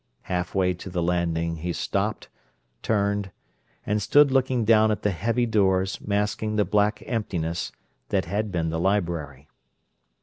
Half way to the landing he stopped, turned, and stood looking down at the heavy doors masking the black emptiness that had been the library.